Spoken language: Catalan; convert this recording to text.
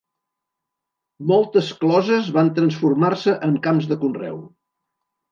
Moltes closes van transformar-se en camps de conreu.